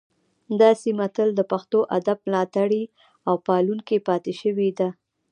دا سیمه تل د پښتو ادب ملاتړې او پالونکې پاتې شوې ده